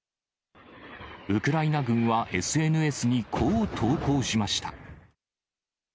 ウクライナ軍はＳＮＳにこう投稿しました。